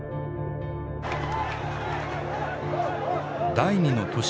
第２の都市